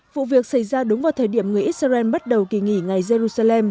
vụ việc xảy ra đúng vào thời điểm người israel bắt đầu kỳ nghỉ ngày jerusalem